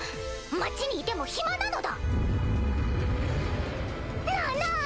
町にいても暇なのだ！なぁなぁ！